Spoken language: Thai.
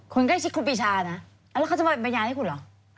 คนใกล้ชิดครูปีชานะแล้วเขาจะมาบรรยายให้คุณเหรอ